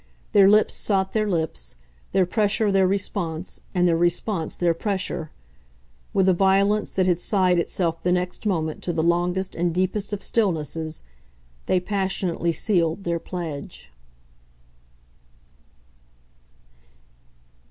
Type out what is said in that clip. Their lips sought their lips, their pressure their response and their response their pressure; with a violence that had sighed itself the next moment to the longest and deepest of stillnesses they passionately sealed their pledge.